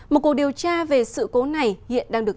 một cuộc điều tra về sự cố này hiện đang được